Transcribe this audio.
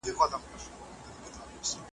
چي فرنګ ته یادوي د امان توره .